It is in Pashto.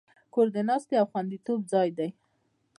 کور د ساتنې او خوندیتوب ځای دی.